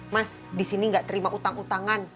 mas disini gak terima utang utangan